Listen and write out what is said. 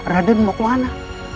raden mau ke mana